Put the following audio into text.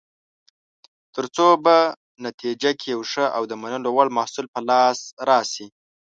ترڅو په نتیجه کې یو ښه او د منلو وړ محصول په لاس راشي.